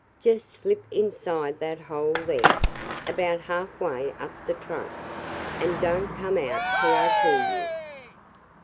"Just slip inside that hole there, about half way up the trunk, and don't come out till I call you!"